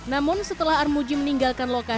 namun setelah armuji meninggalkan lokasi